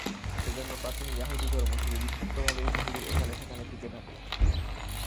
সেজন্য প্রাচীন য়াহুদীধর্ম শুধু বিক্ষিপ্তভাবেই পৃথিবীর এখানে সেখানে টিকে থাকল।